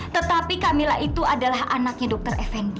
tetapi kami leha itu adalah anaknya dokter efendi